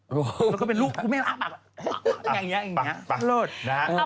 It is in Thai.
หรอกก็เป็นลูกยเอ๊ะปากปากอย่างนี้อย่างเงี้ย